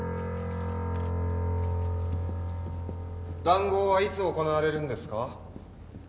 談合はいつ行われるんですか？